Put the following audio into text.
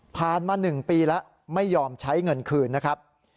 ผ่านมา๑ปีแล้วไม่ยอมใช้เงินคืนนะครับ